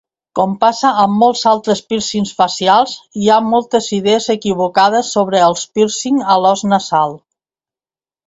Com passa amb molts altres pírcings facials, hi ha moltes idees equivocades sobre els pírcing a l'os nasal.